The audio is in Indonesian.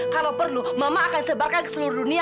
kalau perlu mama akan sebarkan ke seluruh dunia